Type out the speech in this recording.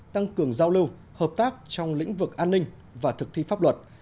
tăng cường giao lưu hợp tác trong lĩnh vực an ninh và thực thi pháp luật